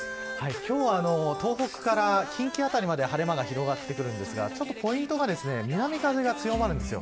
今日は東北から近畿辺りまで晴れ間が広がってきますがポイントは南風が強まるんです。